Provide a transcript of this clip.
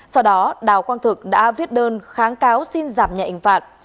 sau đó đào quang thực đã viết đơn kháng cáo xin giảm nhạy ảnh phạt